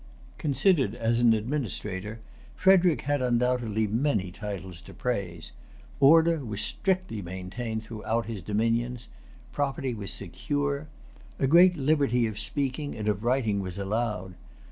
Considered as an administrator, Frederic had undoubtedly many titles to praise. Order was strictly maintained throughout his dominions. Property was secure. A great liberty of speaking and of writing was allowed.